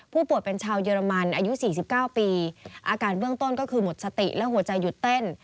ป่วยเป็นชาวเยอรมันอายุ๔๙ปีอาการเบื้องต้นก็คือหมดสติและหัวใจหยุดเต้น